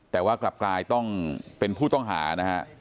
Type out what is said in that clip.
แต่ว่ากลับกลายต้องเป็นผู้ต้องหานะฮะ